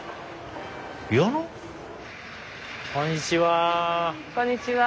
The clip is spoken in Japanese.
こんにちは。